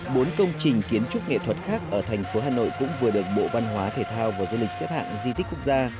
bốn công trình kiến trúc nghệ thuật khác ở thành phố hà nội cũng vừa được bộ văn hóa thể thao và du lịch xếp hạng di tích quốc gia